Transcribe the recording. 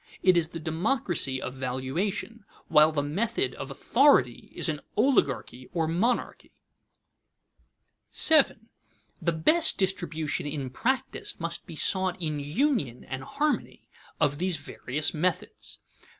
It is the democracy of valuation, while the method of authority is an oligarchy or monarchy. [Sidenote: Various ideals of distribution] 7. _The best distribution in practice must be sought in union and harmony of these various methods.